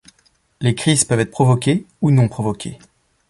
Les crises peuvent être provoquées ou non provoquées.